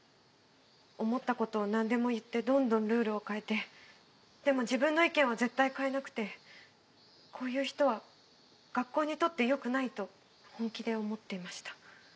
思った事をなんでも言ってどんどんルールを変えてでも自分の意見は絶対変えなくてこういう人は学校にとって良くないと本気で思っていました。